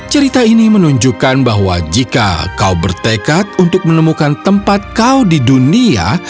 cerita ini menunjukkan bahwa jika kau bertekad untuk menemukan tempat kau di dunia